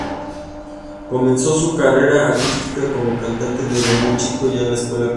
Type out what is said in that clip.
Comenzó su carrera artística como cantante desde muy chico, ya en la escuela primaria.